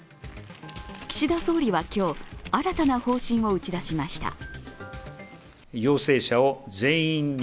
岸田総理は今日、新たな方針を打ち出しました。